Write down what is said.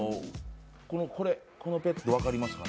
このペット分かりますか？